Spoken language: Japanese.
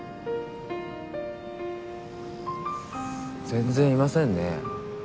全然いませんね。